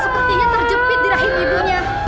sepertinya terjepit di rahim ibunya